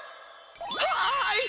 はい！